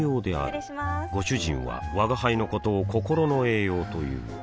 失礼しまーすご主人は吾輩のことを心の栄養という